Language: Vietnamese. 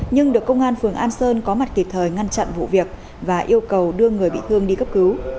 nhưng được công an phường an sơn có mặt kịp thời ngăn chặn vụ việc và yêu cầu đưa người bị thương đi cấp cứu